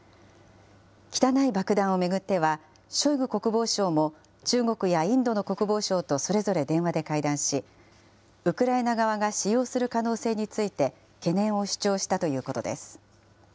汚い爆弾を巡っては、ショイグ国防相も中国やインドの国防相とそれぞれ電話で会談し、ウクライナ側が使用する可能性について、懸念を主張したということです。